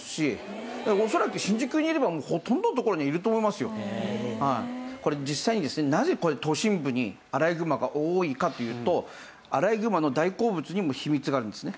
恐らくこれ実際にですねなぜ都心部にアライグマが多いかというとアライグマの大好物にも秘密があるんですね。